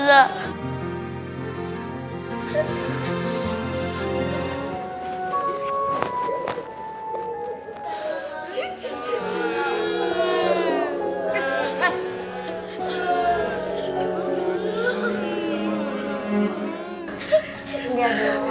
biar dulu ya